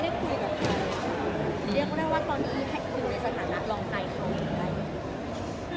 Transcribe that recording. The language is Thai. เรียกว่าตอนนี้แฮ็คอยู่ในสถานะรองไตเขาอยู่ไหน